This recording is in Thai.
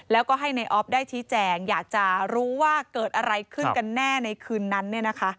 แล้วก็ให้ในออฟได้ชี้แจงอยากจะรู้ว่าเกิดอะไรขึ้นกันแน่ในคืนนั้น